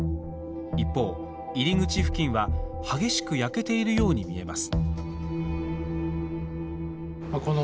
一方、入り口付近は激しく焼けているように見えます。